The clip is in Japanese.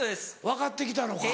分かって来たのか。